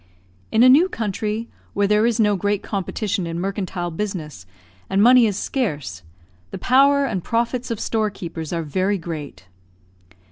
In a new country, where there is no great competition in mercantile business, and money is scarce, the power and profits of store keepers are very great.